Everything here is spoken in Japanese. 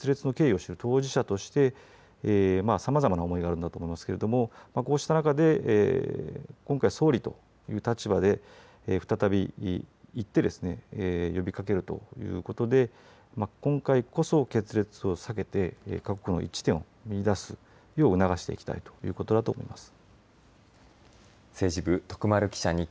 その交渉の決裂の経緯を知る当事者としてさまざまな思いがあるんだと思いますけれどもこうした中で今回、総理という立場で再び行ってですね呼びかけるということで今回こそ、決裂を避けて各国の一致点を見いだすよう促していきたいということだと思います。